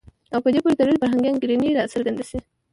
او په دې پورې تړلي فرهنګي انګېرنې راڅرګندې شي.